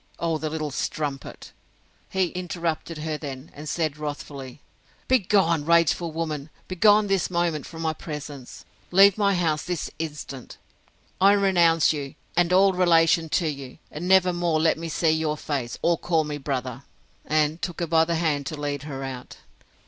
—O the little strumpet!—He interrupted her then, and said wrathfully, Begone, rageful woman! begone this moment from my presence! Leave my house this instant!—I renounce you, and all relation to you! and never more let me see your face, or call me brother! And took her by the hand to lead her out.